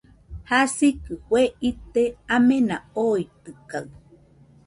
Jasikɨ fue ite amena oitɨkaɨ